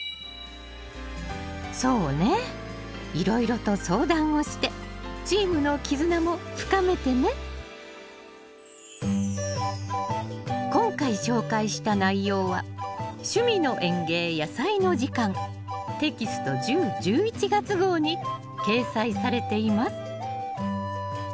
そうねいろいろと相談をしてチームの絆も深めてね今回紹介した内容は「趣味の園芸やさいの時間」テキスト１０・１１月号に掲載されています。